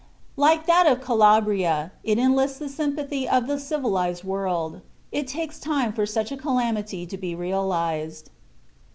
Like that of Calabria, it enlists the sympathy of the civilized world. It takes time for such a calamity to be realized.